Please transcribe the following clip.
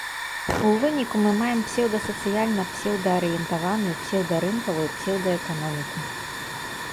У выніку мы маем псеўдасацыяльна псеўдаарыентаваную псеўдарынкавую псеўдаэканоміку.